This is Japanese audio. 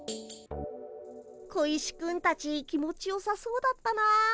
小石くんたち気持ちよさそうだったなあ。